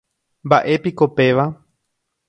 ¿Mbaʼépiko péva?